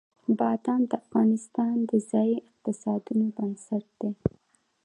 بادام د افغانستان د ځایي اقتصادونو بنسټ دی.